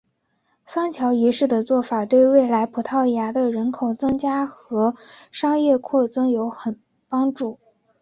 桑乔一世的做法对未来葡萄牙的人口增加和商业扩展很有帮助。